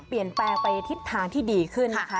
เปลี่ยนแปลงไปทิศทางที่ดีขึ้นนะคะ